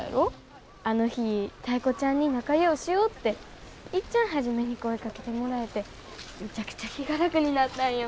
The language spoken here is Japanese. あの日タイ子ちゃんに仲ようしようっていっちゃん初めに声かけてもらえてむちゃくちゃ気が楽になったんよ。